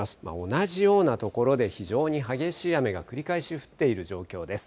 同じような所で、非常に激しい雨が繰り返し降っている状況です。